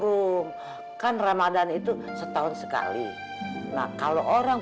udah tinggal aja